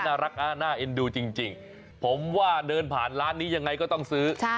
น่ารักน่าเอ็นดูจริงผมว่าเดินผ่านร้านนี้ยังไงก็ต้องซื้อ